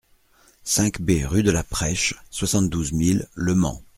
cinq B rue de la Presche, soixante-douze mille Le Mans